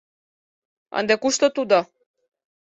— Ынде кушто тудо?